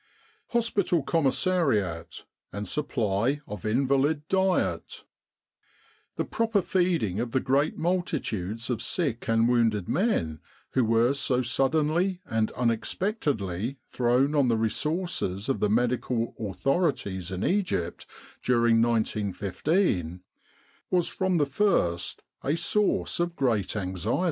HOSPITAL COMMISSARIAT AND SUPPLY OF INVALID DIET The proper feeding of the great multitudes of sick and wounded men who were so suddenly and unexpectedly thrown on the resources of the medical authorities in Egypt during 1915 was from the first a source of great anxiety.